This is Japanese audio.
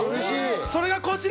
それがこちら。